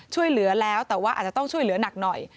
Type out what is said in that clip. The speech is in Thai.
ช่วยเหลือแล้วแต่ว่าอาจจะต้องช่วยเหลือหนักหน่อย